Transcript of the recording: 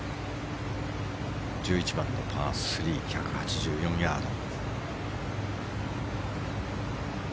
１１番のパー３１８４ヤード。